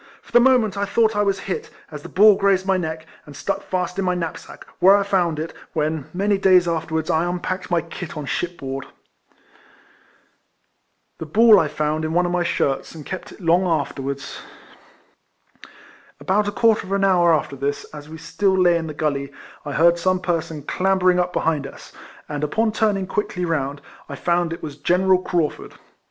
For the moment I thought I was hit, as the ball grazed my neck,* and stuck fast in my knapsack, where I found it, when, many days afterwards, I unpacked my kit on ship board. About a quarter of au liour after this, as we still lay in the gully, I heard some person clambering up behind us, and, upon turning quickly round, I found it was General Craufurd.